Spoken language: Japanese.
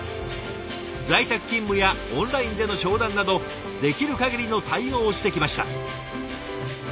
在宅勤務やオンラインでの商談などできる限りの対応をしてきました。